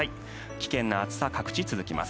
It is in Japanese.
危険な暑さ、各地続きます。